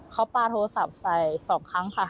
เขาปลาโทรศัพท์ใส่๒ครั้งค่ะ